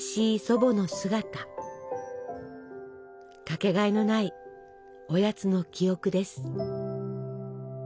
掛けがえのないおやつの記憶です。